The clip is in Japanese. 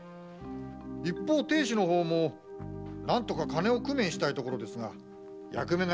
一方亭主の方も何とか金を工面したいところですが役目柄